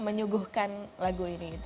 menyuguhkan lagu ini